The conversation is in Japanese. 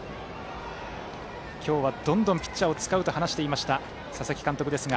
今日はどんどんピッチャーを使うと話していた佐々木監督ですが。